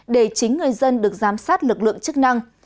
để chính người dân được giám sát lực lượng chức năng